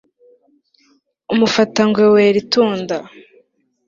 umufatangwe wera itunda